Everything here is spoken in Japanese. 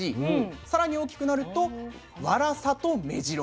さらに大きくなると「わらさ」と「めじろ」。